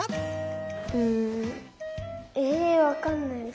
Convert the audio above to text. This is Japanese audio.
うんえわかんない。